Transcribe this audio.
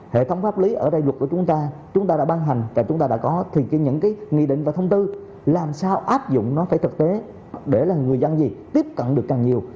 hệ thống pháp lý ở đây luật của chúng ta chúng ta đã ban hành và chúng ta đã có thì những cái nghị định và thông tư làm sao áp dụng nó phải thực tế để là người dân gì tiếp cận được càng nhiều